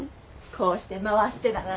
こうして回してだな。